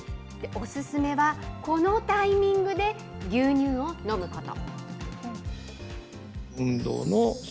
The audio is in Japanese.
お勧めは、このタイミングで牛乳を飲むこと。